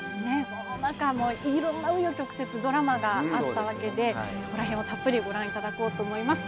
その中いろんな紆余曲折ドラマがあったわけでそこら辺をたっぷりご覧頂こうと思います。